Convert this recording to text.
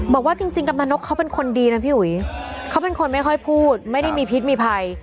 บอกว่าจริงกำนันนกเขาเป็นคนดีนะพี่อุ๋ยเขาเป็นคนไม่ค่อยพูดไม่ได้มีพิษมีภัย